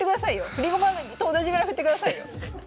振り駒と同じぐらい振ってくださいよ。